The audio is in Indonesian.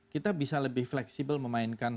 kita bisa lebih fleksibel memainkan